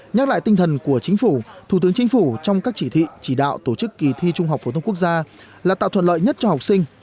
nhắc lại tinh thần của chính phủ thủ tướng chính phủ trong các chỉ thị chỉ đạo tổ chức kỳ thi trung học phổ thông quốc gia là tạo thuận lợi nhất cho học sinh